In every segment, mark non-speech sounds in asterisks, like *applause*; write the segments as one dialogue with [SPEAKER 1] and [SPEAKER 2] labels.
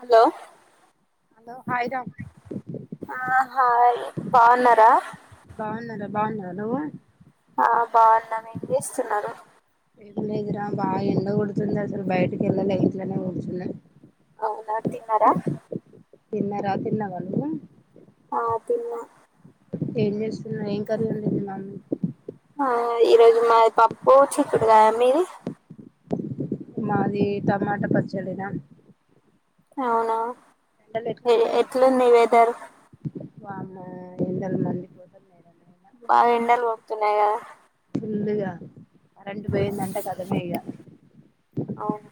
[SPEAKER 1] Hello
[SPEAKER 2] hello hi రా
[SPEAKER 1] ఆ hi బావున్నారా
[SPEAKER 2] బావున్నారా బావున్నావా నువ్వు
[SPEAKER 1] ఆ బావున్నాం ఏం చేస్తున్నారు
[SPEAKER 2] ఏమి లేదురా బాగా ఎండ కొడుతుంది అసలు బయటకి ఎళ్ళలే ఇంట్లోనే కూర్చున్నా
[SPEAKER 1] అవునా తాన్నారా
[SPEAKER 2] తిన్న రా తిన్నవా నువ్వు
[SPEAKER 1] ఆ తిన్న
[SPEAKER 2] ఏం చేస్ ఉమ్ ఏం కర్రీ వండింది మమ్మీ
[SPEAKER 1] ఆ ఈరోజు మాది పప్పు చిక్కుడు కాయ మీది
[SPEAKER 2] మాది టమాటా పచ్చడిన
[SPEAKER 1] అవునా ఎం
[SPEAKER 2] ఎట్లున్నాయి అటు?
[SPEAKER 1] ఎట్లుంది వెదరు
[SPEAKER 2] వామ్మో ఎండలు మండిపోతున్నాయి రా *inaudible*
[SPEAKER 1] బాగా ఎండలు కొడుతున్నాయా
[SPEAKER 2] ఫుల్లుగా కరెంటు పోయిందంటే ఖతమే ఇగ
[SPEAKER 1] అవును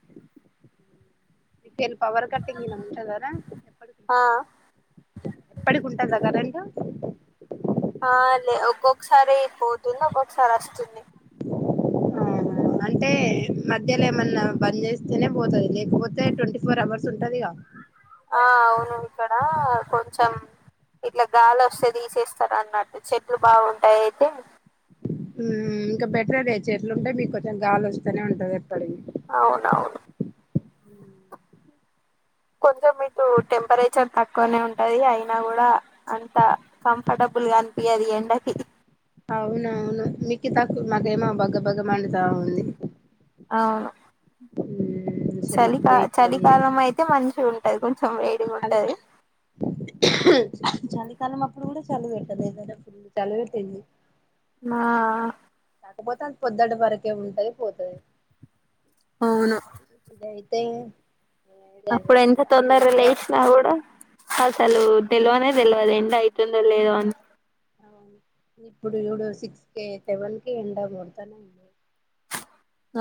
[SPEAKER 2] మీకెల్లి పవర్ కటింగ్ ఉంటుందారా ఎప్పటికి
[SPEAKER 1] ఆ
[SPEAKER 2] ఉంటదారా ఎప్పటికి ఉంటుందా కరెంటు
[SPEAKER 1] ఆ లే ఒక్కొక్కసారి పోతుంది ఒక్కొక్కసారి వస్తుంది
[SPEAKER 2] ఆ అంటే మధ్యలో ఏమన్నా బంద్ చేస్తేనే పోతాది లేకపోతే ట్వంటీ ఫోర్ అవర్స్ ఉంటదిగా
[SPEAKER 1] ఆ అవును ఇక్కడ కొంచెం ఇట్లా గాలొస్తే తీసేస్తారన్నట్టు చెట్లు బావుంటాయి అయితే
[SPEAKER 2] ఉమ్మ్ ఇంక బెటరే చెట్లు ఉంటే మీకు కొంచెం గాలొస్తనే ఉంటంది ఎప్పటికి
[SPEAKER 1] అవునవును కొంచెం మీకు టెంపరేచర్ తక్కువనే ఉంటది అయినా కూడా అంత కంఫర్టబుల్గా అనిపియ్యది ఎండకి
[SPEAKER 2] అవునవును మీకి తక్కువ మాకేమో భగ భగ మండుతా ఉంది
[SPEAKER 1] అవును
[SPEAKER 2] *unintelligible*
[SPEAKER 1] చలికా
[SPEAKER 2] ఇప్పుడే
[SPEAKER 1] చలికాలం అయితే మంచున్ టై హుం
[SPEAKER 2] హన్ చలికాలం అప్పుడు కూడా చలి పెట్టలేదు *inaudible* ఫుల్లు చలి పెట్టింది.
[SPEAKER 1] ఆ
[SPEAKER 2] కాకపోతే అంత పొద్దుటి వరకే ఉంటది పోతది.
[SPEAKER 1] అవును
[SPEAKER 2] తే
[SPEAKER 1] అప్పుడు ఎంత తొందర లేసినా కూడా అసలు
[SPEAKER 2] ఉమ్
[SPEAKER 1] తెలువనే తెలువది. ఐతుందో లేదో అని
[SPEAKER 2] అవును ఇప్పుడు చూడు సిక్స్కే సెవెన్ కి ఎండ కొడతానే ఉన్నది.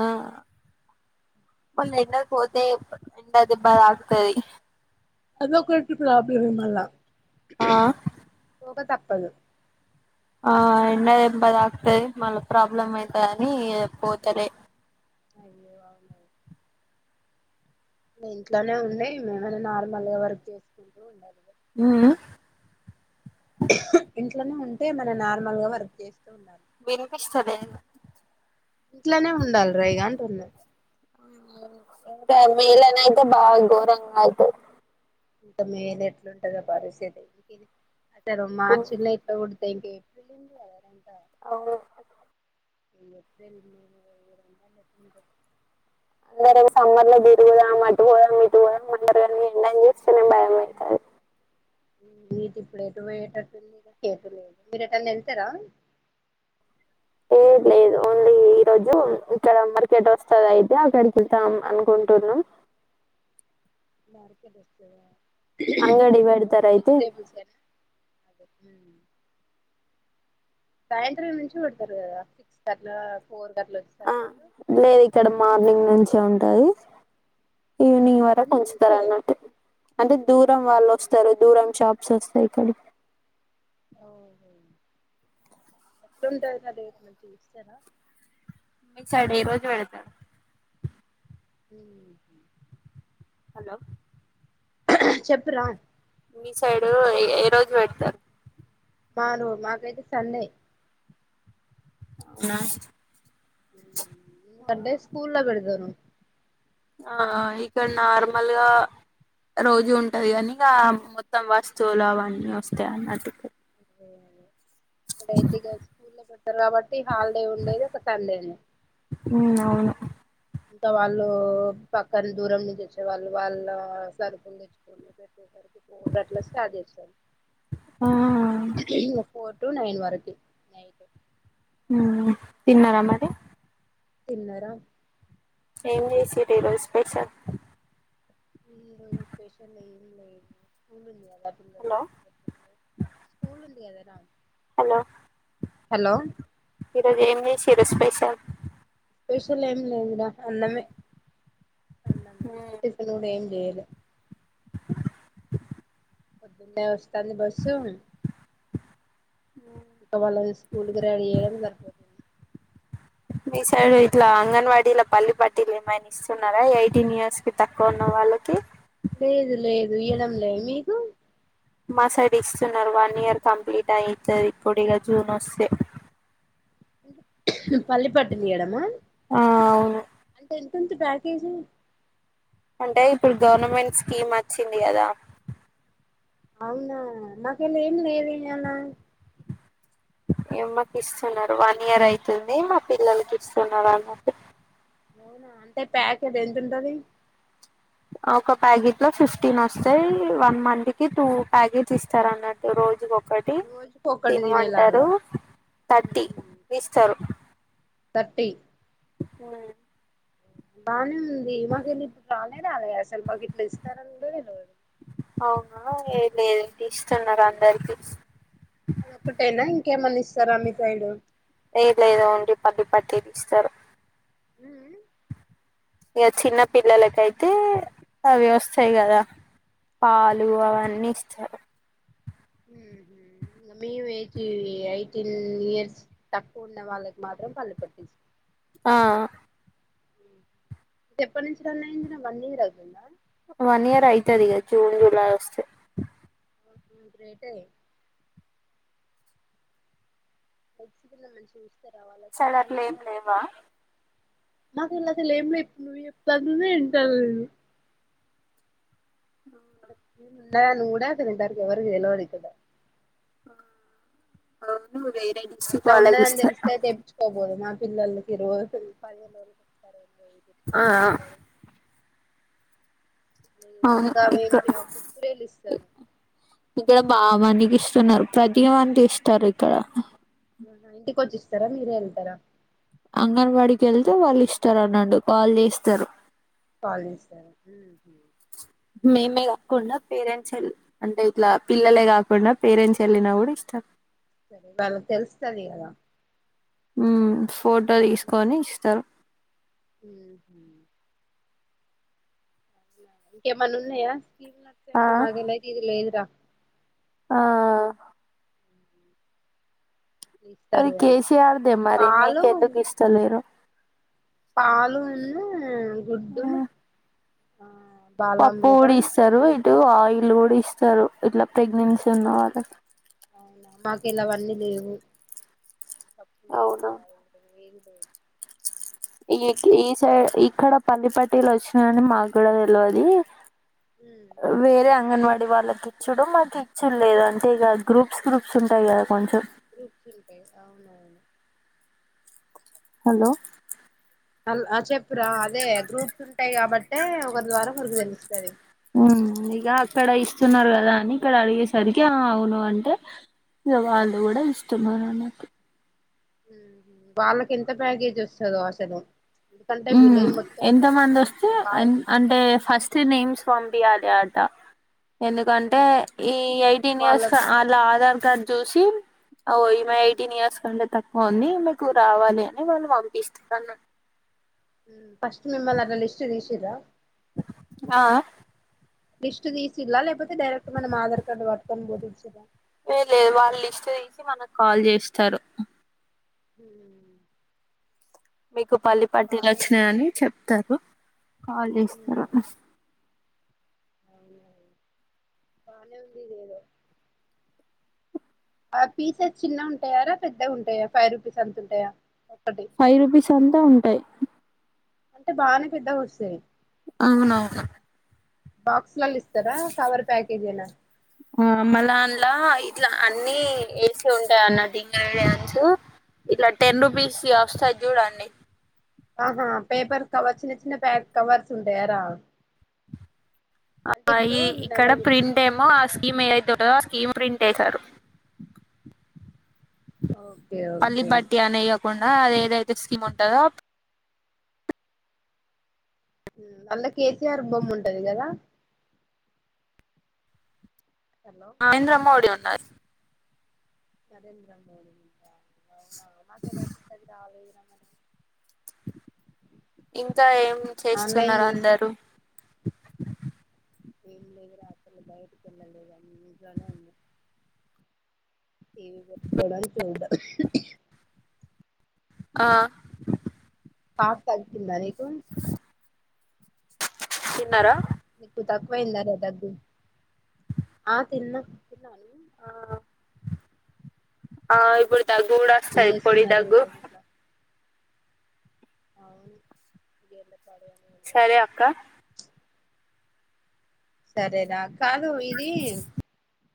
[SPEAKER 1] ఆ మల్ల ఎండకు పోతే ఎండదెబ్బ తక్తది.
[SPEAKER 2] అద ఒకటి ప్రాబ్లం ఏ మళ్ళ
[SPEAKER 1] ఆ
[SPEAKER 2] పోక తప్ప పద
[SPEAKER 1] ఆ ఎండ దెబ్బ తాకుతది మళ్ళా ప్రాబ్లమ్ ఐతది అని పోతాలే.
[SPEAKER 2] అయ్యో అవును ఇంట్లోనే ఉండే ఎమైనా నార్మల్ గా వర్క్ చేసుకుంటూ ఉండాలి.
[SPEAKER 1] ఉం ఉ
[SPEAKER 2] ఇం ఇంట్లనే ఉంటే మనం నార్మల్ గా వర్క్ చేస్తూ ఉండాలి.
[SPEAKER 1] వినిపిస్తా లేదు.
[SPEAKER 2] ఇంట్లోనే ఉండాల రా ఇగ అంటున్నా
[SPEAKER 1] మే నేలనయితే బా గోరంగా అయితది.
[SPEAKER 2] ఇంకా మే లా ఎట్లుంటందో పరిస్థితి సర మార్చ్ లానే ఇట్ల కోడ్ ఏంటి
[SPEAKER 1] అవును
[SPEAKER 2] ఏప్రిల్ మే
[SPEAKER 1] అందరూ ఏమో సమ్మర్ లో తిరుగుదామ్ అట్ పోదాం ఇటు పోదాం అందరు కలిసి
[SPEAKER 2] ఆహా ఇప్పుడు ఎటు పోయేటట్టుంది ఎటు లేదు మీరు ఎటైనా వెళ్తారా
[SPEAKER 1] ఏ లేదు ఓన్లీ ఈరోజు ఇక్కడ మార్కెట్ వస్తది అయితే అక్కడికి వెళ్తాం అనుకుంటున్నాము.
[SPEAKER 2] మార్కెట్ ఆ
[SPEAKER 1] అంగడి బేడతారూ అయితే
[SPEAKER 2] ఏనా సాయంత్రం నుంచి పెడతారు కదా సిక్స్ కి అట్లా
[SPEAKER 1] ఆ లేదు ఇక్కడ మార్నింగ్ నుంచి ఉం టాది
[SPEAKER 2] ఆ
[SPEAKER 1] ఈవినింగ్ వరకు
[SPEAKER 2] మార్నింగ్ నుంచే
[SPEAKER 1] ఉంచుతారు అన్నట్టు అంటే దూరం వాళ్ళు వస్తారు దూరం షాప్ స్వస్త ఇక్కడ
[SPEAKER 2] ఓహో ఎట్లుంటది కద మంచి చూస్తారా
[SPEAKER 1] మీకుసడే రోజు వెడతాడు
[SPEAKER 2] హ్మ్మ్
[SPEAKER 1] హలో
[SPEAKER 2] చెప్ రా
[SPEAKER 1] మీ సైడు ఏ రోజు పెడతారు
[SPEAKER 2] మాను మాకయితే సండే
[SPEAKER 1] నా
[SPEAKER 2] ఎందుకంటే స్కూల్లో పెడతాము
[SPEAKER 1] ఆ ఆ ఇ ఇక్కడ నార్మల్గా రోజు ఉంటది గని ఇగ మొత్తం వస్తువులు అవన్నీ వస్తాయి అన్నటు
[SPEAKER 2] ఇప్పుడైతే ఇ స్కూల్ లో పెట్టారు కాబట్టి హాలిడే ఉండేది ఒక సండేనే
[SPEAKER 1] ఉమ్ అవును
[SPEAKER 2] ఇంకా వాళ్ళు పక్కన దూరం నుంచి వచ్చేవాళ్ళు వాళ్ళ సరుకులు తెచ్చుకోని పెట్టే సరికి ఫోర్ అట్లా స్టార్ట్ చేస్తారు
[SPEAKER 1] ఉమ్
[SPEAKER 2] ఫోర్ టూ నైన్ వరకి నైట్
[SPEAKER 1] హ్మ్ తిన్నరా మరి
[SPEAKER 2] తిన్నరా
[SPEAKER 1] ఏం చేసిరు ఈ రోజు స్పెషల్
[SPEAKER 2] ఈరోజు స్పెషల్ ఏం లేదు
[SPEAKER 1] హలో
[SPEAKER 2] స్కూల్ ఉంది కదా
[SPEAKER 1] హలో
[SPEAKER 2] హలో
[SPEAKER 1] ఏం చేసిరు స్పెషల్
[SPEAKER 2] స్పెషల్ ఏం లేదుడా అన్నమే అన్నము టిఫిన్ ఏం లేలా పొద్దున్నే వవస్తాంది బస్సు ఇక వాళ్ళ స్కూల్కి రెడీ చేయడం సరిపోతుంది
[SPEAKER 1] మీ సైడు ఇట్లా అంగన్వాడీలా పల్లి పట్టిలు ఏమైనా ఇస్తున్నారా ఎయిటీన్ ఇయర్స్ కి తక్కువ ఉన్న వాళ్ళకి
[SPEAKER 2] లేదు లేదు ఇయడం లే మీకు
[SPEAKER 1] మా సైడ్ ఇస్తున్నారు వన్ ఇయర్ కంప్లీట్ అయితది ఇప్పుడు ఇక జూన్ వస్తే
[SPEAKER 2] పల్లి పట్టిలు ఇయడమా
[SPEAKER 1] ఆ అవును
[SPEAKER 2] తు మంత్ ప్యాకేజి
[SPEAKER 1] అంటే ఇప్పుడు గవర్నమెంట్ స్కీమ్ వచ్చింది కదా
[SPEAKER 2] అవునా మాక్ అలా ఏం లేదు ఇయాల
[SPEAKER 1] ఏమ్మకి ఇస్తున్నారు వన్ ఇయర్ అయితుంది మా పిల్లలకి ఇస్తున్నారు అన్నట్టు
[SPEAKER 2] అవునా అంటే ప్యాకెట్ ఎంత ఉంటది
[SPEAKER 1] ఒక ప్యాకెట్ లో ఫిఫ్టీన్ వస్తాయి వన్ మంత్ కి టూ ప్యాకెట్ ఇస్తారు అన్నట్టు రోజు ఇది ఒకటి
[SPEAKER 2] రోజుకు ఒకటి
[SPEAKER 1] తినమంటారు
[SPEAKER 2] తినేలాగా
[SPEAKER 1] థర్టీ ఇస్తారు
[SPEAKER 2] థర్టీ
[SPEAKER 1] అ
[SPEAKER 2] బానే ఉంది మాకు ఇప్పుడు రానే రాలే అసలు మాకు ఇట్లా ఇస్తారని కూడా తెలవదు
[SPEAKER 1] అవునా ఏ లేదంటి ఇస్తున్నారు అందరికి
[SPEAKER 2] అదొక్కటేనా ఇంకేమన్న ఇస్తారా మీ సైడ్
[SPEAKER 1] తెవిస్తారు
[SPEAKER 2] ఊ ఉ
[SPEAKER 1] ఇగ చిన్న పిల్లలకైతే అవి వస్తయి కదా పాలు అవన్నీ ఇస్తారు
[SPEAKER 2] ఉహు ఇంగా మేము ఏజీ ఎయిటీన్ ఇయర్స్ తక్కువ ఉన్న వాళ్ళకి మాత్రం పల్లిపట్టి ఇస్
[SPEAKER 1] ఆ
[SPEAKER 2] ఎప్పనుంచి రన్ అయింది రా వన్ ఇయర్ అవుతుందా
[SPEAKER 1] వన్ ఇయర్ అయితది ఇగ జూన్ జులై వస్తే
[SPEAKER 2] ఉ గ్రేటే *unintelligible* పిల్ల మంచి
[SPEAKER 1] సాడు అట్లేం లేవా
[SPEAKER 2] మాకెళ్ళి అసలు ఏం లే ఇప్పుడు నువు చెప్తంటానే వింటానా నేను ఇడ స్కూల్ ఉన్నదని కూడా అసలు ఇంతవరకు ఎవరికి తెల్వది ఇక్కడ
[SPEAKER 1] అవును డిస్టిక్
[SPEAKER 2] అట్లా
[SPEAKER 1] వాళ్ళకి
[SPEAKER 2] ఉండదని
[SPEAKER 1] ఇస్తారు
[SPEAKER 2] తెలిస్తే తెపీచుకోబోదుమ పిల్లలకి రోజు
[SPEAKER 1] ఆ
[SPEAKER 2] *unintelligible* *unintelligible*
[SPEAKER 1] అవును ఇక్కడ
[SPEAKER 2] గవేంటియో కుర్కురెలు ఇస్తారు
[SPEAKER 1] బా మందికి ఇస్తున్నారు ప్రతి మంతు ఇస్తారు ఇక్కడ
[SPEAKER 2] ఆహా ఇంటికి వచ్చిస్తారా మీరే ఎళ్తరా
[SPEAKER 1] అంగన్వాడి కేళ్తే వాళ్ళు ఇస్తరు అన్నాడు వాళ్ళు ఇస్తారు
[SPEAKER 2] వాళ్ళిస్తరా ఉహు
[SPEAKER 1] మేమే కాకుండా పేరెంట్స్ అంటే ఇట్లా పిల్లలే కాకుండా పేరెంట్స్ వెళ్ళినా కూడా ఇష్టం
[SPEAKER 2] సరే వాళ్ళకి తెలుస్తది కదా
[SPEAKER 1] మ్మ్ ఫోటో తీసుకొని ఇస్తారు
[SPEAKER 2] మ్మ్ హు ఇంకేమన్నా ఉన్నాయా ఇ
[SPEAKER 1] ఆ
[SPEAKER 2] స మగ నదల్ ఇదరా
[SPEAKER 1] ఆ అది
[SPEAKER 2] ఇస్తారు అని
[SPEAKER 1] కేసీఆర్దే మరి
[SPEAKER 2] పాలు
[SPEAKER 1] మీకెందుకు ఇస్తాలేరు
[SPEAKER 2] పాలు ఉన్ను ఆ గుడ్డు
[SPEAKER 1] ఉమ్,
[SPEAKER 2] ఆ
[SPEAKER 1] పప్పు కూడ
[SPEAKER 2] బాలామృతం
[SPEAKER 1] ఇస్తారు ఇ ఆయిల్ కూడా ఇస్తారు ఇట్లా ప్రెగ్నెన్సీ ఉన్న వాళ్ళకి
[SPEAKER 2] అవునా మాకు ఇలావన్నీ లేవు కప్పులే ఏదు
[SPEAKER 1] అవునా
[SPEAKER 2] వాారు ఏ
[SPEAKER 1] ఈ ఈ సైడ్ ఇక్కడ పల్లపలు వచ్చినాయని మాకు కూడా తెల్వదు
[SPEAKER 2] ఉమ్
[SPEAKER 1] వేరే అంగన్వాడీ వాళ్ళకి ఇచ్చుడం మాకు ఇచ్చు లేదు అంటే ఇక గ్రూప్స్ గ్రూప్స్ ఉంటాయి కదా కొంచెం
[SPEAKER 2] గ్రూప్స్ ఉంటాయి అవునని
[SPEAKER 1] హలో
[SPEAKER 2] అ చెప్పురా అదే గ్రూప్స్ ఉంటాయి కాబట్టే ఒకరి ద్వారా ఒకరికి తెలుస్తది
[SPEAKER 1] మ్మ్ ఇగా అక్కడ ఇస్తున్నారు కదా అని ఇక్కడ అడిగేసరికి అవును అంటే ఇక వాళ్ళు కూడా ఇస్తున్నారు అనకు
[SPEAKER 2] మ్మ్ వాళ్ళకి ఎంత ప్యాగేజ్ వస్తదో అసలు ఎందుకంటే
[SPEAKER 1] మ్మ్
[SPEAKER 2] విలేజ్ మొత్తంలో
[SPEAKER 1] ఎంత మంది వస్తే
[SPEAKER 2] కొంత భాగం
[SPEAKER 1] అంటే ఫస్ట్ నేమ్స్ పంపియాలి ఆట ఎందుకంటే ఈ ఎయిటీన్ ఇయర్స్ వాళ్ళ ఆధార్ తర్ జోషీ ఓ ఇ మ ఎయిటీన్ ఇయర్స్ కంటడి తా పోనీ మీకు రావాలి అని వాళ్ళు పంపిస్తన్నార్ అన్నట్టు
[SPEAKER 2] మ్మ్ ఫస్ట్ మిమ్మల్నీ అట్లా లిస్ట్ తీసి ఇద
[SPEAKER 1] ఆ
[SPEAKER 2] లిస్ట్ తీసిల్లా లేకపోతే డైరెక్ట్ మనం ఆధార్ కార్డు పట్టుకుని బోధించద
[SPEAKER 1] ఏ లేదు వాళ్ళ లిస్ట్ తీసి మనకు కాల్ చేస్తారు
[SPEAKER 2] మ్మ్
[SPEAKER 1] మీ పల్లి పటీలు వచ్చినాయ
[SPEAKER 2] ఉంది
[SPEAKER 1] అని చెప్తారు కాల్ చేస్తారు
[SPEAKER 2] అవువు అనే ఉందిద ఆ పీసెస్ చిన్న ఉంటాయాార పెద్ద ఉంటాయా ఫైవ్ రూపీస్ అంత ఉంటాయా ఒకటి
[SPEAKER 1] ఫైవ్ రూపీస్ అంతా ఉంటాయి
[SPEAKER 2] అంటే బానే పెద్ద వస్తాయి
[SPEAKER 1] అవునవును
[SPEAKER 2] బాక్స్ స్ ఇస్తార సవర్ ప్యాకేజ్ ఏనా
[SPEAKER 1] మలా అంలా ఇట్లా అన్ని వేసి ఉంటాయి అన్న వాన్సు ఇట్లా టెన్ రుపీస్ వస్తాయి చూడాడి
[SPEAKER 2] ఆహా పేపర్ కవర్ చిన్న చిన్న ప్యాక్ కవర్స్ ఉంటాయార
[SPEAKER 1] ఆ ఈ ఇక్కడ
[SPEAKER 2] ఇట్లా
[SPEAKER 1] ప్రింట్ ఏమో ఆ
[SPEAKER 2] ఎట్లా
[SPEAKER 1] స్కీమ్ ఏ
[SPEAKER 2] అంటే
[SPEAKER 1] అతుంటందో ఆ స్కీమ్ ప్రింట్ వసారు
[SPEAKER 2] ఓకే ఓకే
[SPEAKER 1] పలిపాటి అన తకుండా అది ఏదైతే స్కీమ్ ఉంటందో
[SPEAKER 2] అలా కేసీఆర్ బొమ్మ ఉంటది కదా హలో
[SPEAKER 1] నరేంద్ర మోడి ఉం బస్
[SPEAKER 2] నరేంద్ర మోడీ ఉందా అవునా నకాయ్తే ఇలా అసల్ రాలేధు రా
[SPEAKER 1] ఇంకా ఏం
[SPEAKER 2] ఆన్లైన్
[SPEAKER 1] చేస్తున్నారు
[SPEAKER 2] చేసి
[SPEAKER 1] అందరూ
[SPEAKER 2] ఏం లేదుర అసలు బయటకి వెళ్ళలేదు ఇంట్లోనే ఉండి టీవీ పెట్టుకోవడం చూడం
[SPEAKER 1] ఆ
[SPEAKER 2] కాఫ్ తగ్గిందా నీకు
[SPEAKER 1] తిన్నార
[SPEAKER 2] నీకు తక్కువైందారా దగ్గు ఆ తిన్న
[SPEAKER 1] ఆ ఆ ఇప్పుడు దగ్గు కూడా
[SPEAKER 2] ఏం
[SPEAKER 1] వస్తది పొడి
[SPEAKER 2] చేస్తున్నారు
[SPEAKER 1] దగ్గు
[SPEAKER 2] ఇంకా ఇంట్లో అవును ఎంత
[SPEAKER 1] సరే అక్క
[SPEAKER 2] సరే రా కాదూ ఇదీ